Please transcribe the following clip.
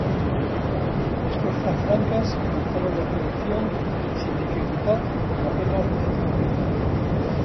Las fuerzas francas comenzaron la expedición sin dificultad y con apenas resistencia.